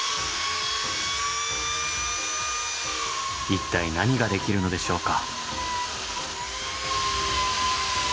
一体何ができるのでしょうか？